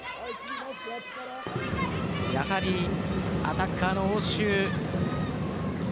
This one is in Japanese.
やはりアタッカーの応酬。